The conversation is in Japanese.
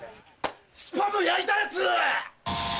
スパム焼いたやつ！